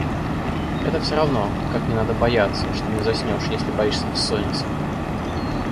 Это всё равно, как не надо бояться, что не заснешь, если боишься бессонницы.